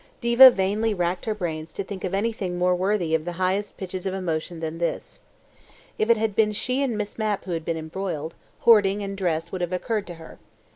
Diva vainly racked her brains to think of anything more worthy of the highest pitches of emotion than this. If it had been she and Miss Mapp who had been embroiled, hoarding and dress would have occurred to her.